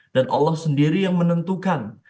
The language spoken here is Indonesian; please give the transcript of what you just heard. dan allah sendiri yang menentukan